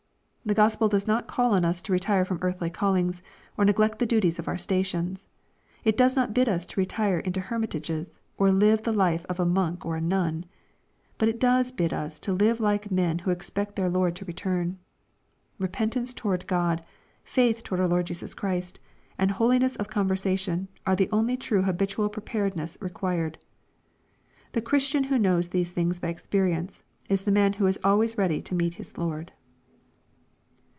The Gospel does not call on us to retire from earthly callings, or neglect the duties of our stations. It does not bid us retire into hermitages, or live the life of a monk or a nun. But it does bid us to live like men who expect their Lord to return. Repent ance toward God, faith toward our Lord Jesus Christ, and holiness of conversation, are the only, true habitual preparedness required. The Christian who knows these things by experience, is the man who is always ready to meet his Lord.